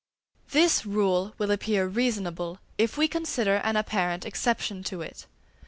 This rule will appear reasonable if we consider an apparent exception to it.